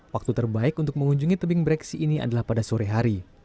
waktu terbaik untuk mengunjungi tebing breksi ini adalah pada sore hari